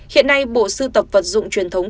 hiện nay bộ sưu tập vận dụng truyền thống